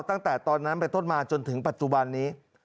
ตั้งแต่ตอนนั้นไปต้นมาจนถึงปัจจุบันนี้